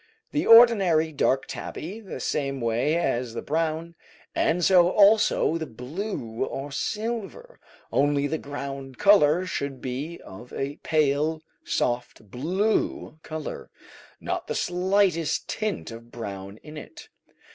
The ordinary dark tabby the same way as the brown, and so also the blue or silver, only the ground colour should be of a pale, soft, blue colour not the slightest tint of brown in it.